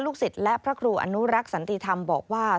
ศิษย์และพระครูอนุรักษ์สันติธรรมบอกว่า